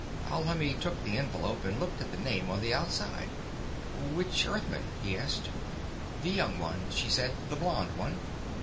Alhamid took the envelope and looked at the name on the outside. "Which Earthman?" he asked. "The young one," she said, "the blond one."